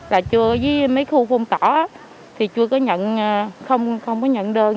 là chưa với mấy khu phong tỏ thì chưa có nhận không có nhận đơn